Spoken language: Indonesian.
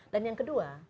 dan yang kedua